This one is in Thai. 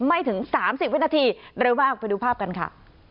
ไม่ถึง๓๐วินาทีเร็วมากไปดูภาพกันค่ะ